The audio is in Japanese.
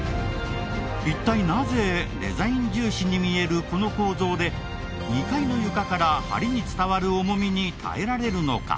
一体なぜデザイン重視に見えるこの構造で２階の床から梁に伝わる重みに耐えられるのか？